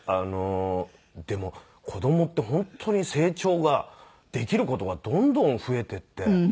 でも子供って本当に成長ができる事がどんどん増えていって。